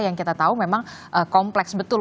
yang kita tahu memang kompleks betul